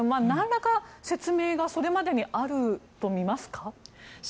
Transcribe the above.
何らか説明がそれまでにあるとみますか？